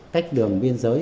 cách đường biên giới